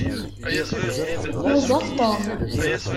Yuẓẓaf Tom.